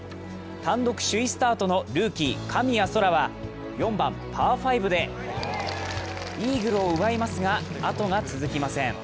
単独首位スタートのルーキー、神谷そらは４番パー５でイーグルを奪いますが、あとが続きません。